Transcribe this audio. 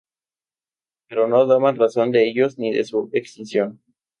Pero no daban razón de ellos ni de su extinción.